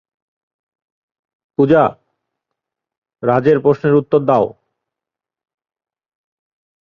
পূজা, রাজের প্রশ্নের উত্তর দাও।